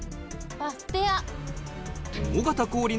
バステア。